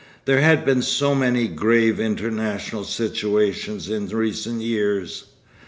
There had been so many grave international situations in recent years.